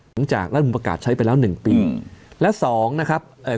หลังจากรัฐมนุนประกาศใช้ไปแล้วหนึ่งปีอืมและสองนะครับเอ่อ